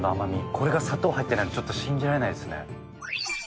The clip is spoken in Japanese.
これが砂糖入ってないのちょっと信じられないですね。